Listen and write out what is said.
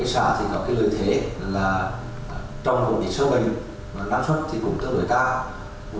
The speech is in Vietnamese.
cây xả có lợi thế là trong một ít sơ bình năng suất cũng tương đối cao